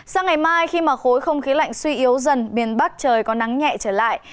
sáng ngày mai khi khối không khí lạnh suy yếu dần miền bắc trời có nắng nhẹ trở lại